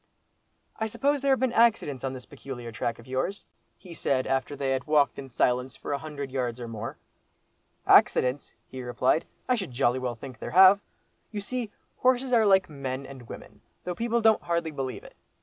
"I suppose there have been accidents on this peculiar track of yours?" he said, after they had walked in silence for a hundred yards or more. "Accidents!" he replied, "I should jolly well think there have. You see, horses are like men and women, though people don't hardly believe it.